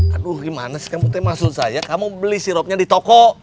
aduh gimana sih kamu tema maksud saya kamu beli siropnya di toko